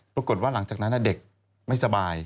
ปรากฏว่าหลังจากนั้นเด็กไม่สบาย